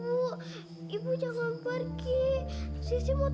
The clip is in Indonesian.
hah kamu itu kok manja banget sih jadi anak